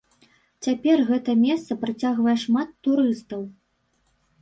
Цяпер гэта месца прыцягвае шмат турыстаў.